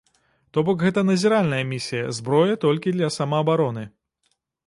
То бок гэта назіральная місія, зброя толькі для самаабароны.